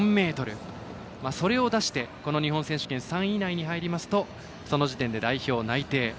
それを出して、この日本選手権３位以内に入りますとその時点で代表内定。